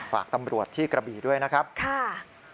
ฝากตำรวจที่กระบี่ด้วยนะครับค่ะ